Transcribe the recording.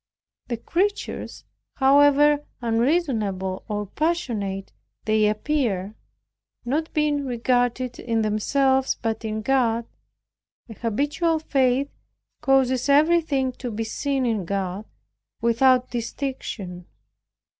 The creatures, however unreasonable or passionate they appear, not being regarded in themselves but in God; an habitual faith causes everything to be seen in God without distinction.